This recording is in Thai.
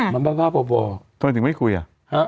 มาถึงไม่คุยอ่ะ